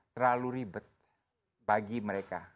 terlalu ribet bagi mereka